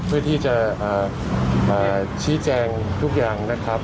เพื่อที่จะชี้แจงทุกอย่างนะครับ